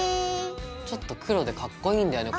ちょっと黒でカッコいいんだよね